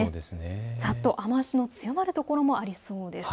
ざっと雨足の強まる所もありそうです。